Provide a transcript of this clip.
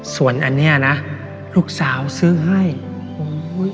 ส่วนอันเนี้ยนะลูกสาวซื้อให้โอ้ย